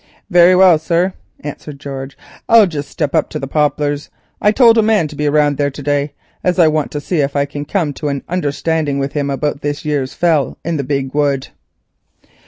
"Very well, sir," answered George, "I'll just step up to the Poplars. I told a man to be round there to day, as I want to see if I can come to an understanding with him about this year's fell in the big wood."